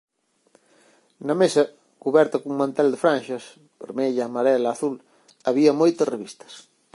Na mesa, cuberta cun mantel de franxas —vermella, amarela, azul—, había moitas revistas.